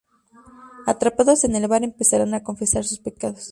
Atrapados en el bar, empezarán a confesar sus pecados.